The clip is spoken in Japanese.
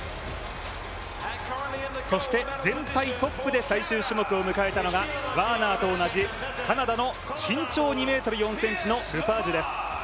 そして全体トップで最終種目を迎えたのがワーナーと同じカナダの身長２ｍ４ｃｍのルパージュです。